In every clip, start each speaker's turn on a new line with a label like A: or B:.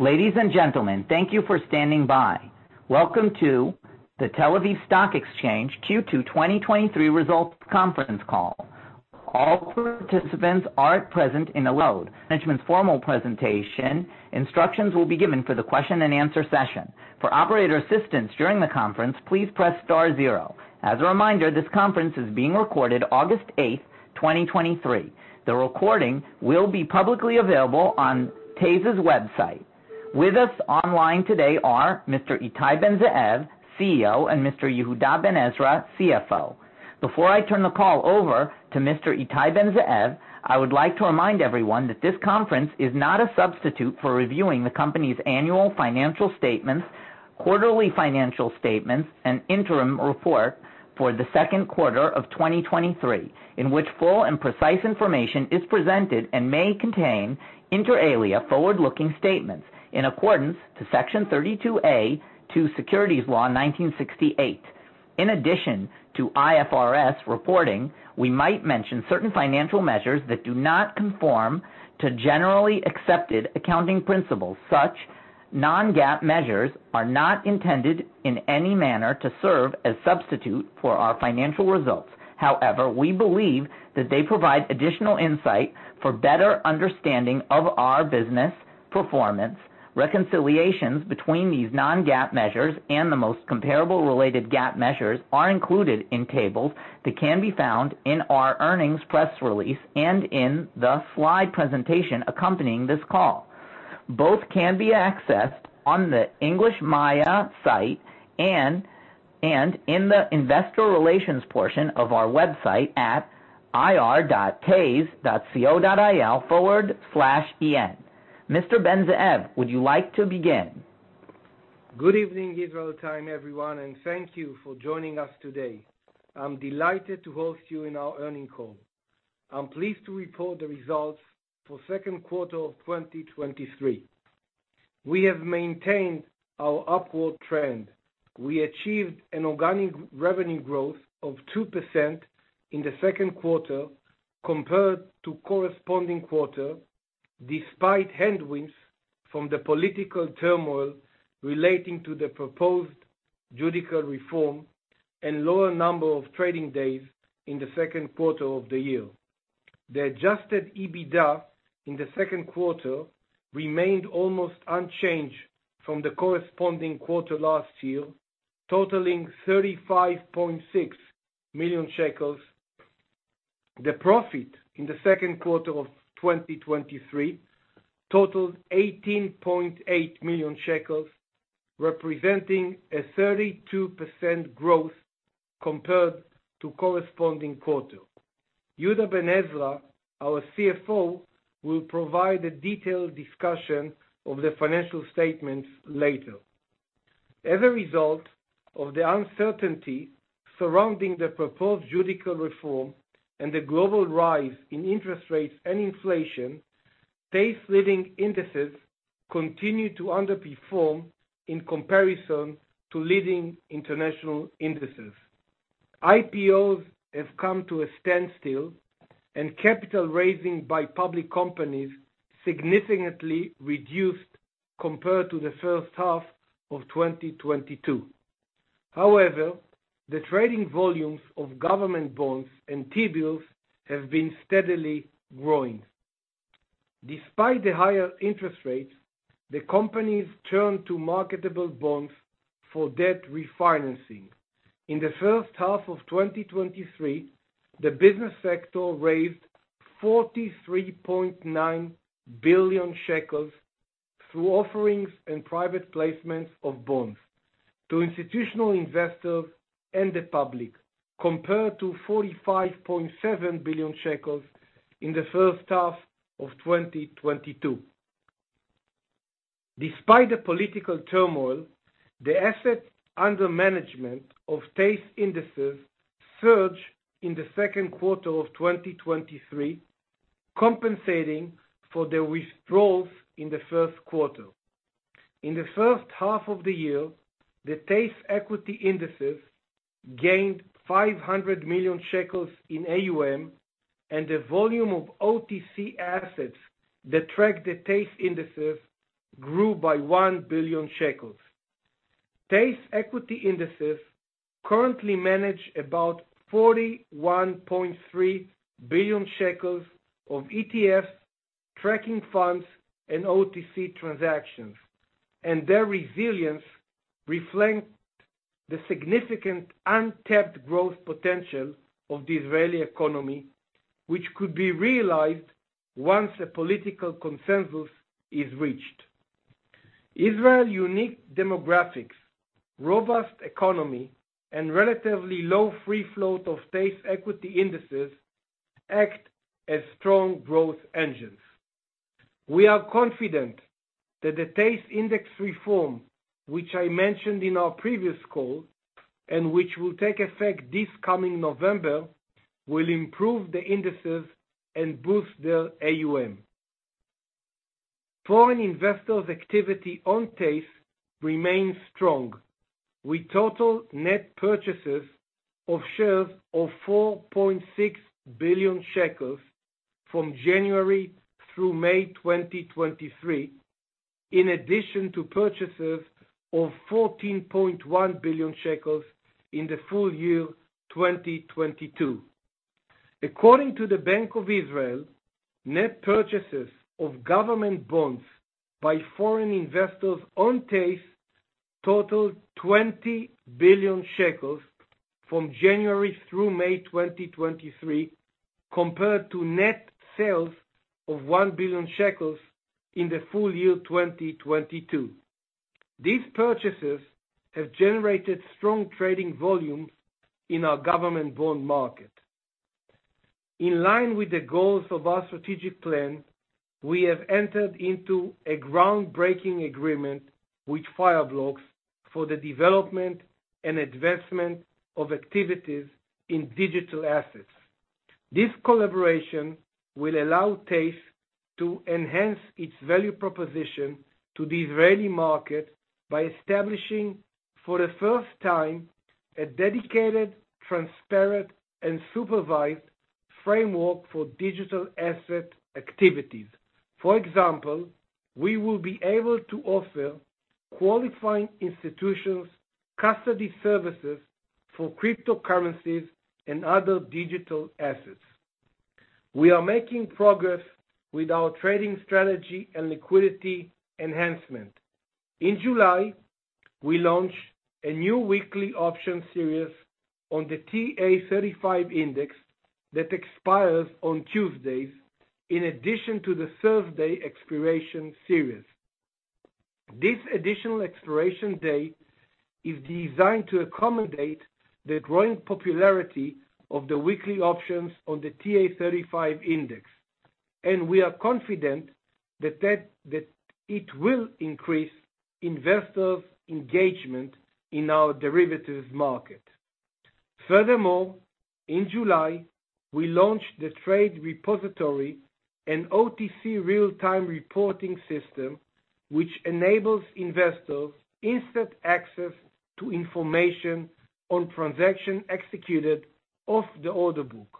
A: Ladies and gentlemen, thank you for standing by. Welcome to the Tel Aviv Stock Exchange Q2 2023 results conference call. All participants are at present in a load. Management's formal presentation, instructions will be given for the question and answer session. For operator assistance during the conference, please press star zero. As a reminder, this conference is being recorded August 8th, 2023. The recording will be publicly available on TASE's website. With us online today are Mr. Ittai Ben-Zeev, CEO, and Mr. Yehuda Ben-Ezra, CFO. Before I turn the call over to Mr. Ittai Ben-Zeev, I would like to remind everyone that this conference is not a substitute for reviewing the company's annual financial statements, quarterly financial statements, and interim report for the second quarter of 2023, in which full and precise information is presented and may contain, inter alia, forward-looking statements in accordance to Section 32A to Securities Law, 1968. In addition to IFRS reporting, we might mention certain financial measures that do not conform to generally accepted accounting principles. Such non-GAAP measures are not intended in any manner to serve as substitute for our financial results. However, we believe that they provide additional insight for better understanding of our business performance. Reconciliations between these non-GAAP measures and the most comparable related GAAP measures are included in tables that can be found in our earnings press release and in the slide presentation accompanying this call. Both can be accessed on the English MAYA site and in the investor relations portion of our website at ir.tase.co.il/en. Mr. Ben-Zeev, would you like to begin?
B: Good evening, Israel Time, everyone, and thank you for joining us today. I'm delighted to host you in our earnings call. I'm pleased to report the results for second quarter of 2023. We have maintained our upward trend. We achieved an organic revenue growth of 2% in the second quarter compared to corresponding quarter, despite headwinds from the political turmoil relating to the proposed judicial reform and lower number of trading days in the second quarter of the year. The adjusted EBITDA in the second quarter remained almost unchanged from the corresponding quarter last year, totaling 35.6 million shekels. The profit in the second quarter of 2023 totaled 18.8 million shekels, representing a 32% growth compared to corresponding quarter. Yehuda Ben-Ezra, our CFO, will provide a detailed discussion of the financial statements later. As a result of the uncertainty surrounding the proposed judicial reform and the global rise in interest rates and inflation, TASE leading indices continue to underperform in comparison to leading international indices. IPOs have come to a standstill, and capital raising by public companies significantly reduced compared to the first half of 2022. However, the trading volumes of government bonds and T-bills have been steadily growing. Despite the higher interest rates, the companies turned to marketable bonds for debt refinancing. In the first half of 2023, the business sector raised 43.9 billion shekels through offerings and private placements of bonds to institutional investors and the public, compared to 45.7 billion shekels in the first half of 2022. Despite the political turmoil, the assets under management of TASE indices surged in the second quarter of 2023, compensating for the withdrawals in the first quarter. In the first half of the year, the TASE equity indices gained 500 million shekels in AUM, and the volume of OTC assets that track the TASE indices grew by 1 billion shekels. TASE equity indices currently manage about 41.3 billion shekels of ETFs, tracking funds, and OTC transactions, and their resilience reflects the significant untapped growth potential of the Israeli economy, which could be realized once a political consensus is reached. Israel's unique demographics, robust economy, and relatively low free float of TASE equity indices act as strong growth engines. We are confident that the TASE index reform, which I mentioned in our previous call, and which will take effect this coming November, will improve the indices and boost their AUM. Foreign investors' activity on TASE remains strong. With total net purchases of shares of 4.6 billion shekels from January through May 2023, in addition to purchases of 14.1 billion shekels in the full year 2022. According to the Bank of Israel, net purchases of government bonds by foreign investors on TASE totaled 20 billion shekels from January through May 2023, compared to net sales of 1 billion shekels in the full year 2022. These purchases have generated strong trading volumes in our government bond market. In line with the goals of our strategic plan, we have entered into a groundbreaking agreement with Fireblocks for the development and advancement of activities in digital assets. This collaboration will allow TASE to enhance its value proposition to the Israeli market by establishing, for the first time, a dedicated, transparent, and supervised framework for digital asset activities. For example, we will be able to offer qualifying institutions custody services for cryptocurrencies and other digital assets. We are making progress with our trading strategy and liquidity enhancement. In July, we launched a new weekly option series on the TA-35 index that expires on Tuesdays, in addition to the Thursday expiration series. This additional expiration date is designed to accommodate the growing popularity of the weekly options on the TA-35 index, and we are confident that it will increase investors' engagement in our derivatives market. Furthermore, in July, we launched the Trade Repository, an OTC real-time reporting system, which enables investors instant access to information on transaction executed off the order book,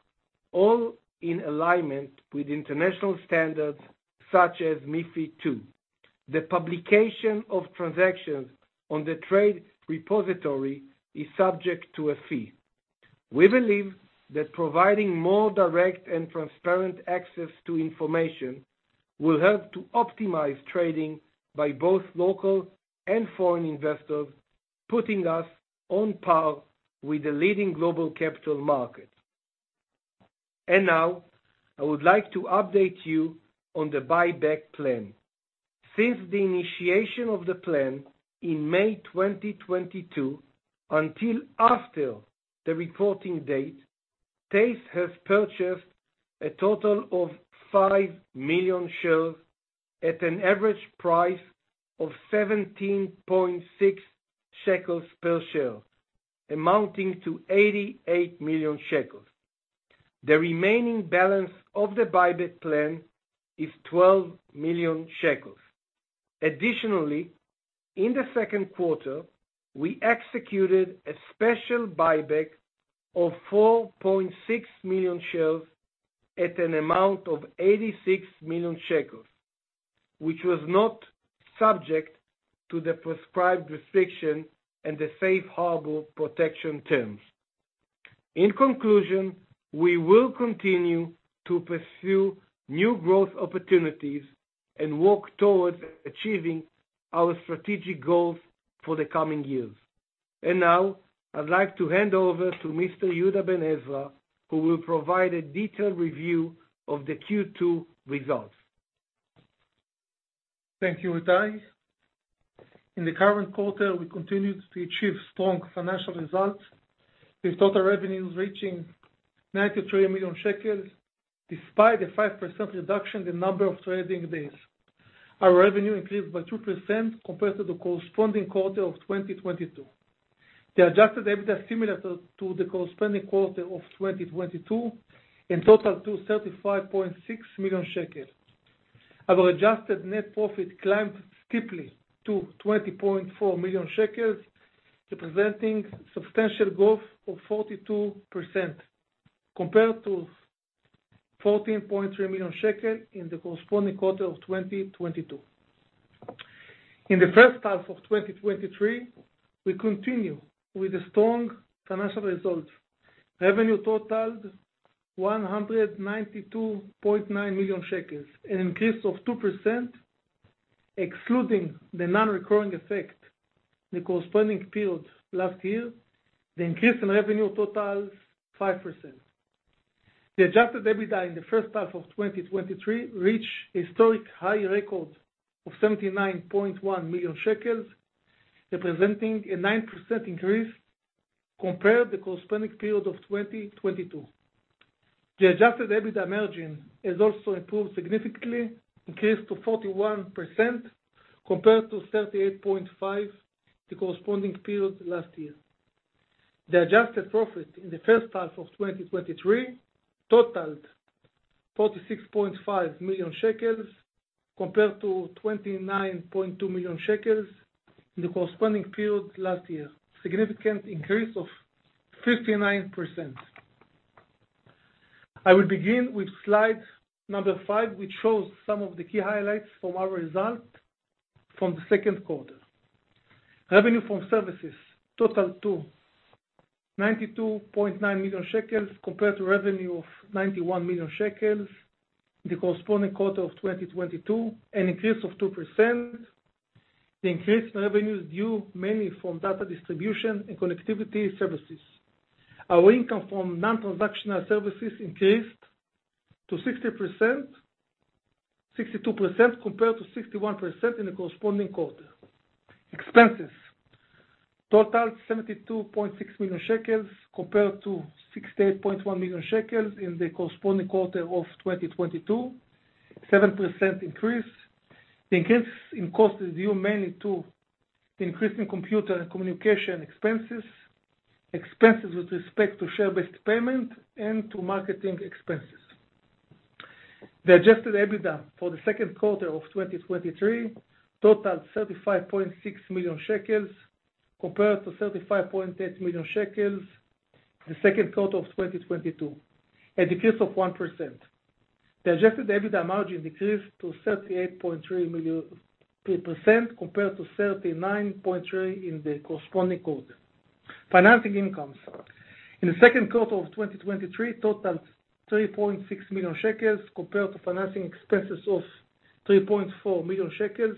B: all in alignment with international standards, such as MiFID II. The publication of transactions on the Trade Repository is subject to a fee. We believe that providing more direct and transparent access to information will help to optimize trading by both local and foreign investors, putting us on par with the leading global capital markets. Now, I would like to update you on the buyback plan. Since the initiation of the plan in May 2022 until after the reporting date, TASE has purchased a total of 5 million shares at an average price of 17.6 shekels per share, amounting to 88 million shekels. The remaining balance of the buyback plan is 12 million shekels. Additionally, in the second quarter, we executed a special buyback of 4.6 million shares at an amount of 86 million shekels, which was not subject to the prescribed restriction and the safe harbor protection terms. In conclusion, we will continue to pursue new growth opportunities and work towards achieving our strategic goals for the coming years. Now, I'd like to hand over to Mr. Yehuda Ben-Ezra, who will provide a detailed review of the Q2 results.
C: Thank you, Ittai. In the current quarter, we continued to achieve strong financial results, with total revenues reaching 93 million shekels, despite a 5% reduction in number of trading days. Our revenue increased by 2% compared to the corresponding quarter of 2022. The adjusted EBITDA similar to the corresponding quarter of 2022, in total to 35.6 million shekel. Our adjusted net profit climbed steeply to 20.4 million shekels, representing substantial growth of 42%, compared to 14.3 million shekel in the corresponding quarter of 2022. In the first half of 2023, we continue with the strong financial results. Revenue totaled 192.9 million shekels, an increase of 2%, excluding the non-recurring effect, the corresponding period last year, the increase in revenue totals 5%. The adjusted EBITDA in the first half of 2023 reached historic high record of 79.1 million shekels, representing a 9% increase compared the corresponding period of 2022. The adjusted EBITDA margin has also improved significantly, increased to 41%, compared to 38.5%, the corresponding period last year. The adjusted profit in the first half of 2023 totaled 46.5 million shekels, compared to 29.2 million shekels in the corresponding period last year, significant increase of 59%. I will begin with slide number five, which shows some of the key highlights from our results from the second quarter. Revenue from services totaled to 92.9 million shekels, compared to revenue of 91 million shekels, the corresponding quarter of 2022, an increase of 2%. The increase in revenue is due mainly from data distribution and connectivity services. Our income from non-transactional services increased to 60%-62%, compared to 61% in the corresponding quarter. Expenses totaled 72.6 million shekels, compared to 68.1 million shekels in the corresponding quarter of 2022, 7% increase. The increase in cost is due mainly to the increase in computer and communication expenses, expenses with respect to share-based payment, and to marketing expenses. The adjusted EBITDA for the second quarter of 2023 totaled 35.6 million shekels, compared to 35.8 million shekels, the second quarter of 2022, a decrease of 1%. The adjusted EBITDA margin decreased to 38.3%, compared to 39.3% in the corresponding quarter. Financing incomes. In the second quarter of 2023, totaled 3.6 million shekels, compared to financing expenses of 3.4 million shekels,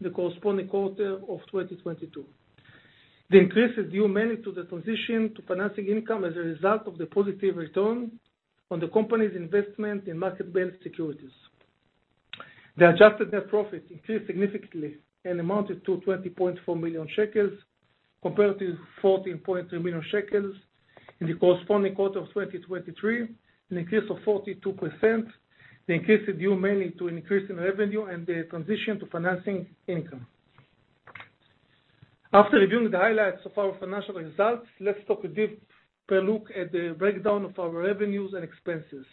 C: the corresponding quarter of 2022. The increase is due mainly to the transition to financing income as a result of the positive return on the company's investment in market-based securities. The adjusted net profit increased significantly and amounted to 20.4 million shekels, compared to 14.3 million shekels in the corresponding quarter of 2023, an increase of 42%. The increase is due mainly to an increase in revenue and the transition to financing income. After reviewing the highlights of our financial results, let's take a deep look at the breakdown of our revenues and expenses.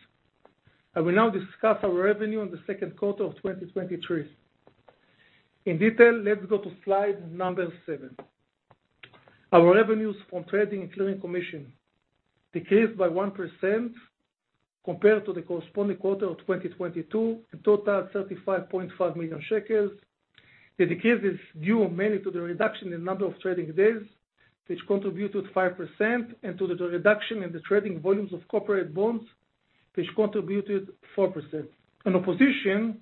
C: I will now discuss our revenue in the second quarter of 2023. In detail, let's go to slide number seven. Our revenues from trading and clearing commission decreased by 1% compared to the corresponding quarter of 2022, and totaled 35.5 million shekels. The decrease is due mainly to the reduction in number of trading days, which contributed 5%, and to the reduction in the trading volumes of corporate bonds, which contributed 4%. In opposition,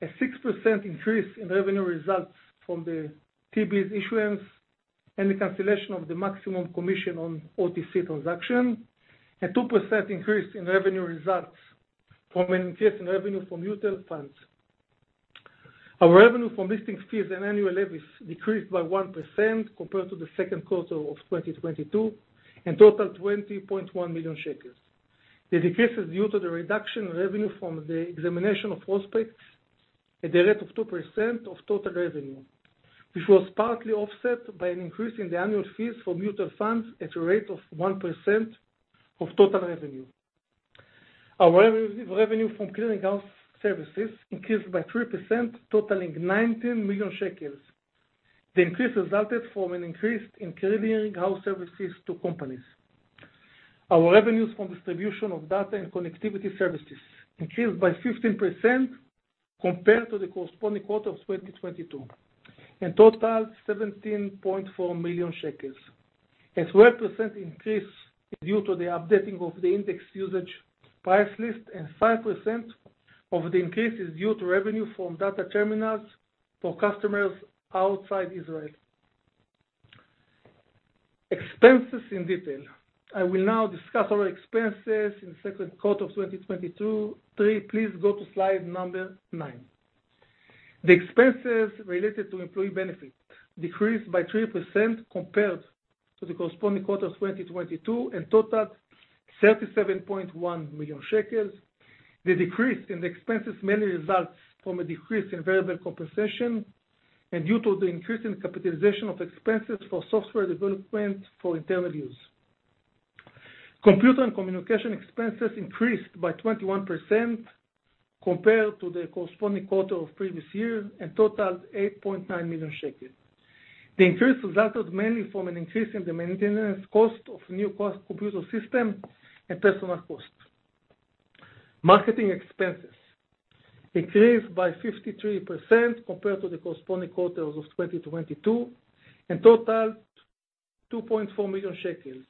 C: a 6% increase in revenue results from the T-bill issuance and the cancellation of the maximum commission on OTC transaction, a 2% increase in revenue results from an increase in revenue from mutual funds. Our revenue from listing fees and annual levies decreased by 1% compared to the second quarter of 2022, and totaled 20.1 million shekels. The decrease is due to the reduction in revenue from the examination of prospectuses at a rate of 2% of total revenue, which was partly offset by an increase in the annual fees for mutual funds at a rate of 1% of total revenue. Our revenue from clearinghouse services increased by 3%, totaling 19 million shekels. The increase resulted from an increase in clearinghouse services to companies. Our revenues from distribution of data and connectivity services increased by 15% compared to the corresponding quarter of 2022, and totaled 17.4 million shekels. A 12% increase is due to the updating of the index usage price list, and 5% of the increase is due to revenue from data terminals for customers outside Israel. Expenses in detail. I will now discuss our expenses in the second quarter of 2023. Please go to slide number nine. The expenses related to employee benefits decreased by 3% compared to the corresponding quarter of 2022, and totaled 37.1 million shekels. The decrease in the expenses mainly results from a decrease in variable compensation, and due to the increase in capitalization of expenses for software development for internal use. Computer and communication expenses increased by 21% compared to the corresponding quarter of previous year, and totaled 8.9 million shekels. The increase resulted mainly from an increase in the maintenance cost of new core, computer system and personal cost. Marketing expenses increased by 53% compared to the corresponding quarters of 2022, and totaled 2.4 million shekels.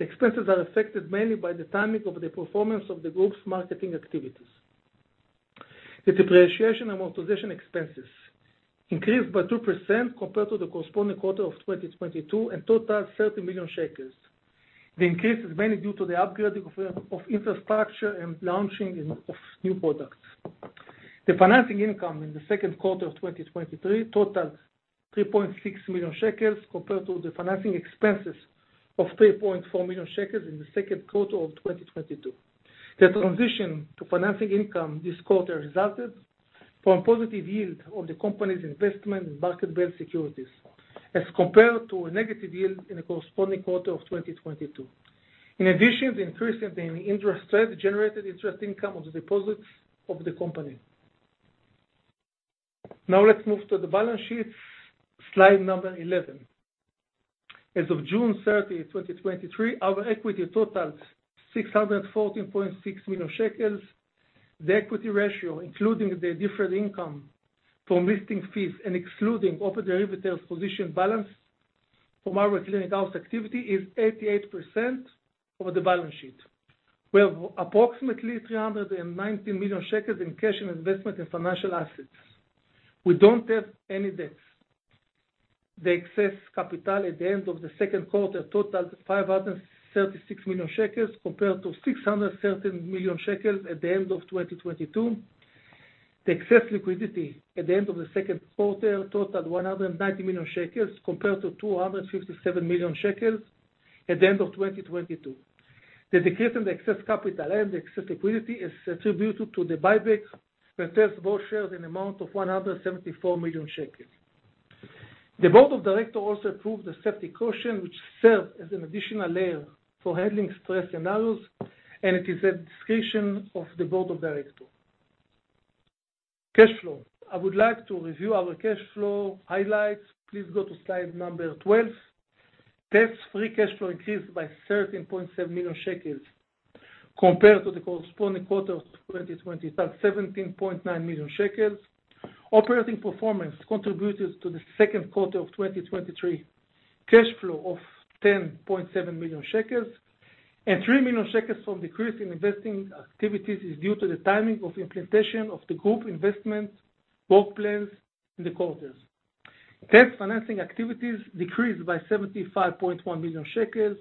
C: Expenses are affected mainly by the timing of the performance of the group's marketing activities. The depreciation and amortization expenses increased by 2% compared to the corresponding quarter of 2022, and totaled 30 million shekels. The increase is mainly due to the upgrading of infrastructure and launching of new products. The financing income in the second quarter of 2023 totaled 3.6 million shekels, compared to the financing expenses of 3.4 million shekels in the second quarter of 2022. The transition to financing income this quarter resulted from positive yield of the company's investment in market-based securities, as compared to a negative yield in the corresponding quarter of 2022. In addition, the increase in the interest generated interest income on the deposits of the company. Now let's move to the balance sheet. Slide number 11. As of June 30th, 2023, our equity totals 614.6 million shekels. The equity ratio, including the different income from listing fees and excluding open derivatives position balance from our clearinghouse activity, is 88% of the balance sheet. We have approximately 390 million shekels in cash and investment in financial assets. We don't have any debts. The excess capital at the end of the second quarter totals 536 million shekels, compared to ILS 613 million at the end of 2022. The excess liquidity at the end of the second quarter totaled 190 million shekels, compared to 257 million shekels at the end of 2022. The decrease in the excess capital and the excess liquidity is attributed to the buyback that sells more shares in amount of 174 million shekels. The board of directors also approved the safety cushion, which serves as an additional layer for handling stress scenarios, and it is a discretion of the board of directors. Cash flow. I would like to review our cash flow highlights. Please go to slide number 12. TASE free cash flow increased by 13.7 million shekels compared to the corresponding quarter of 2020, that's 17.9 million shekels. Operating performance contributed to the second quarter of 2023. Cash flow of 10.7 million shekels and 3 million shekels from decrease in investing activities is due to the timing of implementation of the group investment work plans in the quarters. TASE financing activities decreased by 75.1 million shekels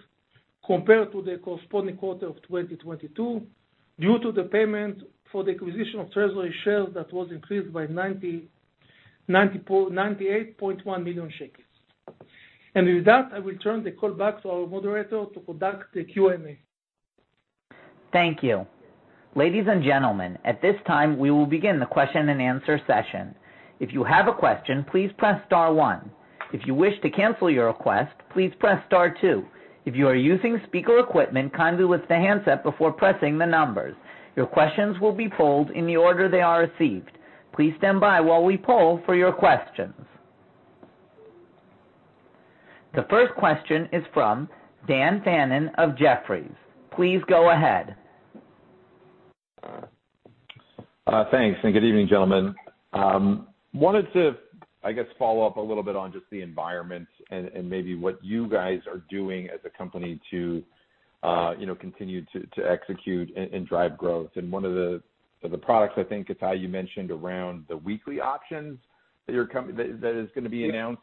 C: compared to the corresponding quarter of 2022, due to the payment for the acquisition of treasury shares that was increased by 98.1 million shekels. With that, I will turn the call back to our moderator to conduct the Q&A.
A: Thank you. Ladies and gentlemen, at this time, we will begin the question and answer session. If you have a question, please press star one. If you wish to cancel your request, please press star two. If you are using speaker equipment, kindly lift the handset before pressing the numbers. Your questions will be polled in the order they are received. Please stand by while we poll for your questions. The first question is from Dan Fannon of Jefferies. Please go ahead.
D: Thanks, and good evening, gentlemen. wanted to, I guess, follow up a little bit on just the environment and, and maybe what you guys are doing as a company to, you know, continue to, to execute and, and drive growth. One of the products, I think, Ittai, you mentioned around the weekly options that your company, that, that is gonna be announced.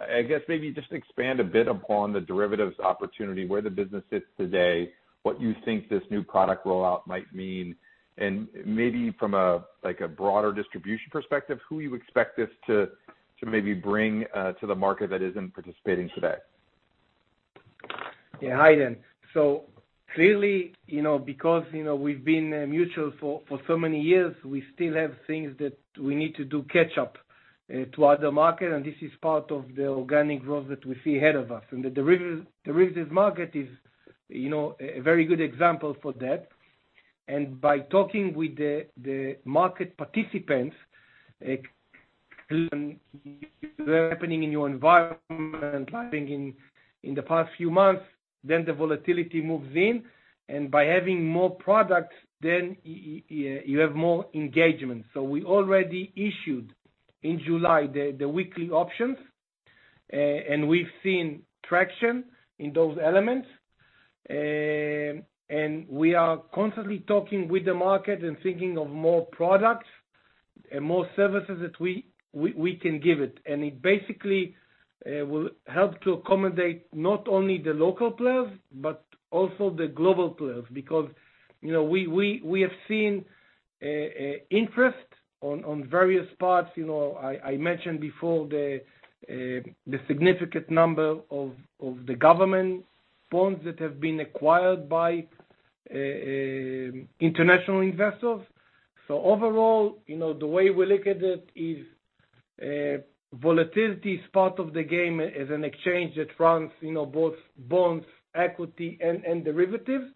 D: I guess maybe just expand a bit upon the derivatives opportunity, where the business sits today, what you think this new product rollout might mean, and maybe from a, like, a broader distribution perspective, who you expect this to, to maybe bring to the market that isn't participating today?
B: Yeah. Hi, Dan. Clearly, you know, because, you know, we've been mutual for, for so many years, we still have things that we need to do catch up to other market. This is part of the organic growth that we see ahead of us. The derivatives market is, you know, a very good example for that. By talking with the market participants happening in your environment, I think in the past few months, the volatility moves in. By having more products, you have more engagement. We already issued in July, the weekly options. We've seen traction in those elements. We are constantly talking with the market and thinking of more products and more services that we can give it.
C: It basically will help to accommodate not only the local players, but also the global players, because, you know, we, we, we have seen interest on various parts. You know, I, I mentioned before the significant number of the government bonds that have been acquired by international investors. Overall, you know, the way we look at it is, volatility is part of the game as an exchange that runs, you know, both bonds, equity, and derivatives.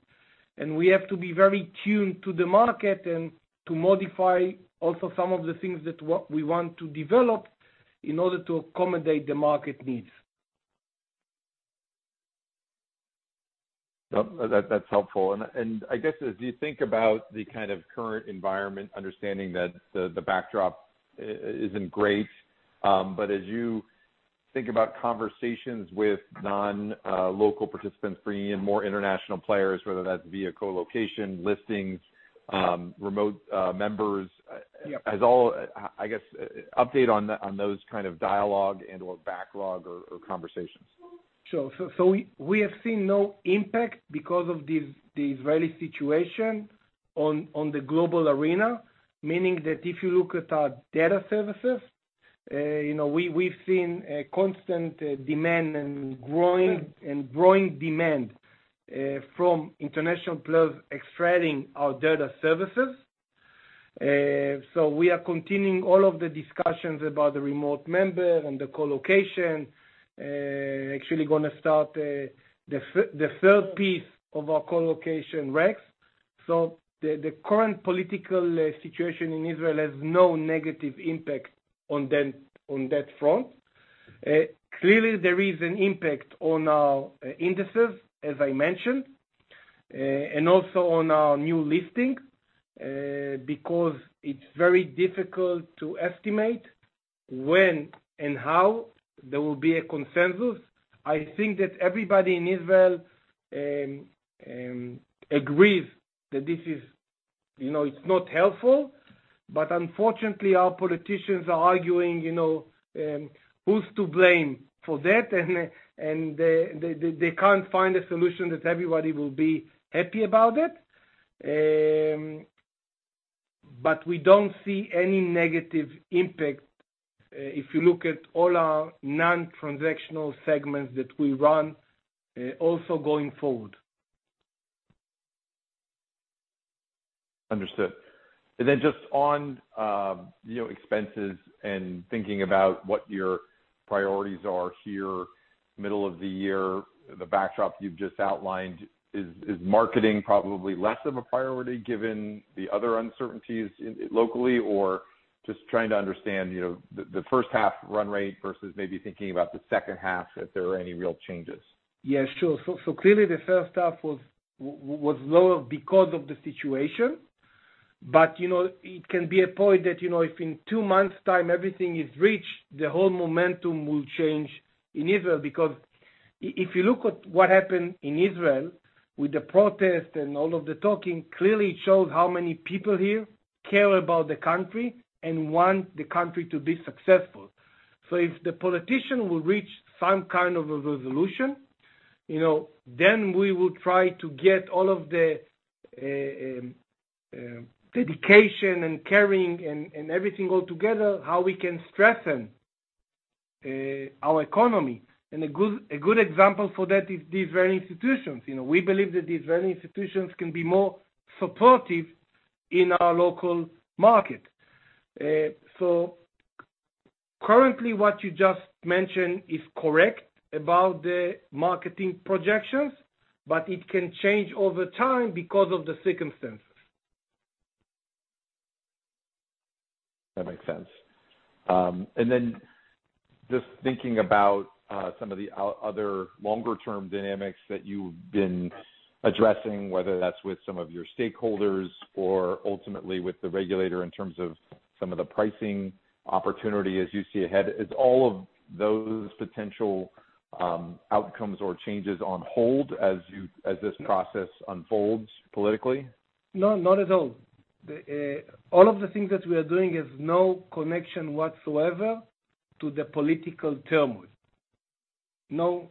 C: We have to be very tuned to the market and to modify also some of the things that what we want to develop in order to accommodate the market needs.
D: Yep, that, that's helpful. And I guess as you think about the kind of current environment, understanding that the backdrop isn't great, but as you think about conversations with non-local participants, bringing in more international players, whether that's via colocation, listings, remote members?
C: Yeah.
D: I guess, update on those kind of dialogue and/or backlog or conversations.
C: Sure. so we have seen no impact because of the, the Israeli situation on, on the global arena, meaning that if you look at our data services-...
B: You know, we, we've seen a constant demand and growing, and growing demand from international players utilizing our data services. We are continuing all of the discussions about the remote member and the colocation, actually gonna start the third piece of our colocation racks. The current political situation in Israel has no negative impact on them, on that front. Clearly, there is an impact on our indices, as I mentioned, and also on our new listings, because it's very difficult to estimate when and how there will be a consensus. I think that everybody in Israel agrees that this is, you know, it's not helpful, but unfortunately, our politicians are arguing, you know, who's to blame for that, and, and they, they, they can't find a solution that everybody will be happy about it. We don't see any negative impact, if you look at all our non-transactional segments that we run, also going forward.
D: Understood. Then just on, you know, expenses and thinking about what your priorities are here, middle of the year, the backdrop you've just outlined, is marketing probably less of a priority given the other uncertainties locally? Just trying to understand, you know, the first half run rate versus maybe thinking about the second half, if there are any real changes?
B: Yeah, sure. Clearly, the first half was lower because of the situation. You know, it can be a point that, you know, if in 2 months' time everything is reached, the whole momentum will change in Israel. If you look at what happened in Israel with the protest and all of the talking, clearly it shows how many people here care about the country and want the country to be successful. If the politician will reach some kind of a resolution, you know, then we will try to get all of the dedication and caring and everything all together, how we can strengthen our economy. A good example for that is the Israeli institutions. You know, we believe that the Israeli institutions can be more supportive in our local market. Currently, what you just mentioned is correct about the marketing projections, but it can change over time because of the circumstances.
D: That makes sense. Then just thinking about, some of the other longer-term dynamics that you've been addressing, whether that's with some of your stakeholders or ultimately with the regulator in terms of some of the pricing opportunity as you see ahead, is all of those potential outcomes or changes on hold as this process unfolds politically?
B: No, not at all. The all of the things that we are doing has no connection whatsoever to the political turmoil. No.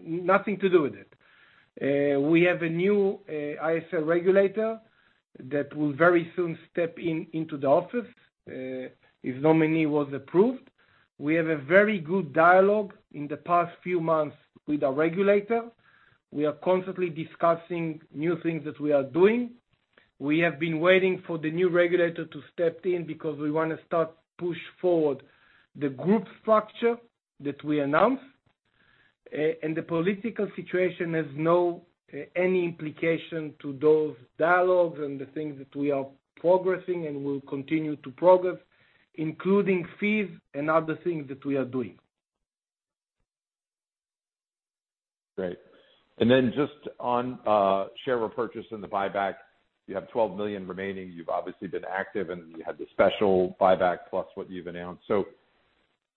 B: Nothing to do with it. We have a new ISA regulator that will very soon step in, into the office, his nominee was approved. We have a very good dialogue in the past few months with our regulator. We are constantly discussing new things that we are doing. We have been waiting for the new regulator to step in because we wanna start push forward the group structure that we announced. The political situation has no any implication to those dialogues and the things that we are progressing and will continue to progress, including fees and other things that we are doing.
D: Great. Just on share repurchase and the buyback, you have $12 million remaining. You've obviously been active, and you had the special buyback plus what you've announced.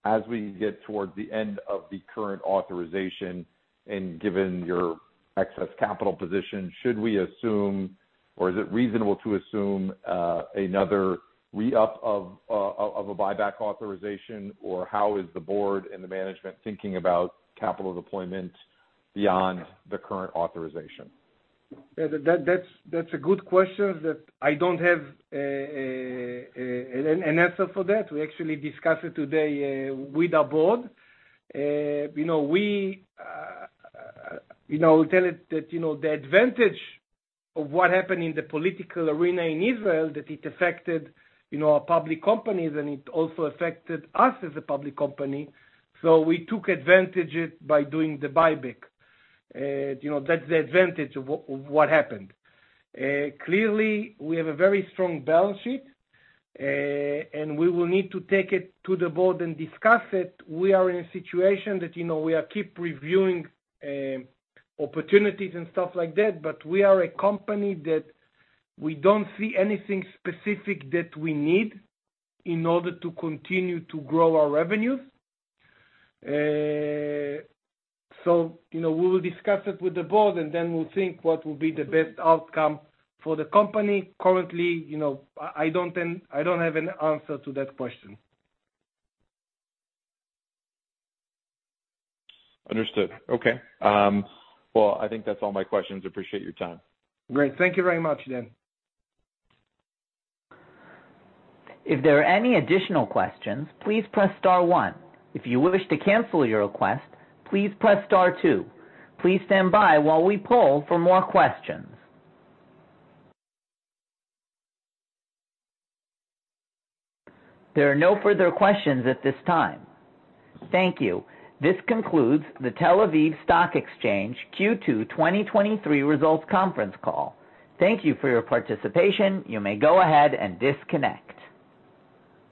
D: As we get towards the end of the current authorization, and given your excess capital position, should we assume, or is it reasonable to assume, another re-up of a buyback authorization? How is the board and the management thinking about capital deployment beyond the current authorization?
B: Yeah, that, that's, that's a good question that I don't have an answer for that. We actually discussed it today with our board. You know, we, you know, tell it that, you know, the advantage of what happened in the political arena in Israel, that it affected, you know, our public companies, and it also affected us as a public company, so we took advantage it by doing the buyback. You know, that's the advantage of what happened. Clearly, we have a very strong balance sheet, and we will need to take it to the board and discuss it. We are in a situation that, you know, we are keep reviewing opportunities and stuff like that, but we are a company that we don't see anything specific that we need in order to continue to grow our revenues. You know, we will discuss it with the board, and then we'll think what will be the best outcome for the company. Currently, you know, I don't have an answer to that question.
D: Understood. Okay. Well, I think that's all my questions. Appreciate your time.
B: Great. Thank you very much, Dan.
A: If there are any additional questions, please press star one. If you wish to cancel your request, please press star two. Please stand by while we poll for more questions. There are no further questions at this time. Thank you. This concludes the Tel-Aviv Stock Exchange Q2 2023 results conference call. Thank you for your participation. You may go ahead and disconnect.